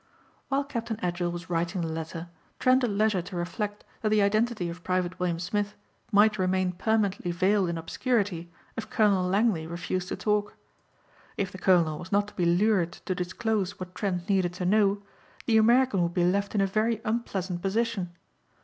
While Captain Edgell was writing the letter Trent had leisure to reflect that the identity of Private William Smith might remain permanently veiled in obscurity if Colonel Langley refused to talk. If the colonel was not to be lured to disclose what Trent needed to know, the American would be left in a very unpleasant position.